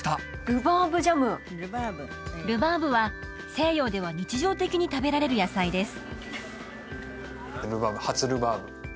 ルバーブジャムルバーブは西洋では日常的に食べられる野菜です